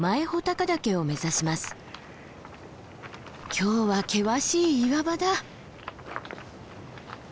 今日は険しい岩場だ。